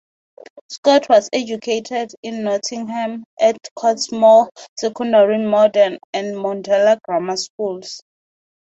Scott was educated in Nottingham at Cottesmore Secondary Modern and Mundella Grammar schools.